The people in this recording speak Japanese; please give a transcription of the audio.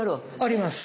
あります！